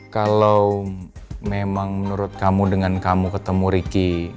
kalau memang menurut kamu dengan kamu ketemu ricky